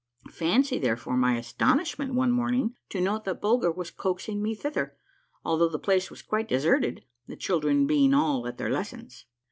Fancy, there fore, my astonishment one morning to note that Bulger was coaxing me thither, although the place was quite deserted, the children being all at their lessons.